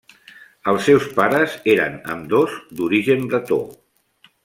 Els seus pares eren ambdós d'origen bretó.